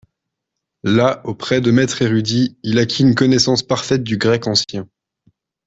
Là, auprès de maîtres érudits, il acquit une connaissance parfaite du grec ancien.